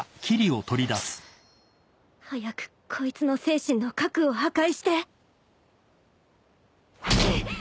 早くこいつの精神の核を破壊してうっ！